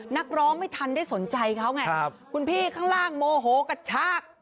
นักร้องไม่ทันได้สนใจเขาไงคุณพี่ข้างล่างโมโหกระชาก